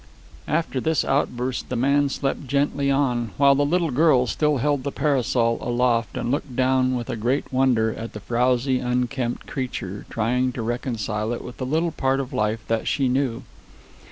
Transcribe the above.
After this outburst the man slept gently on, while the little girl still held the parasol aloft and looked down with a great wonder at the frowsy, unkempt creature, trying to reconcile it with the little part of life that she knew.